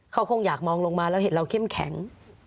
เขาคงอยากมองลงมาแล้วเห็นเราเข้มแข็ง